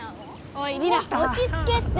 おいリラおちつけって。